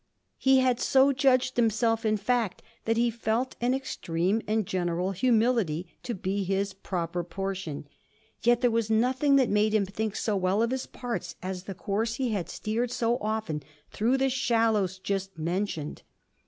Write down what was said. He had so judged himself in fact that he felt an extreme and general humility to be his proper portion; yet there was nothing that made him think so well of his parts as the course he had steered so often through the shallows just mentioned.